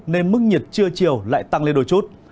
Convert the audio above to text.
nên mức nhiệt trưa chiều lại tăng lên đôi chút